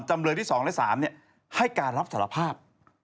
จำเลยที่๒และ๓ให้การรับสารภาพ